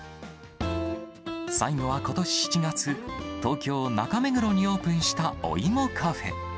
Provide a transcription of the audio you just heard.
最後はことし７月、東京・中目黒にオープンしたお芋カフェ。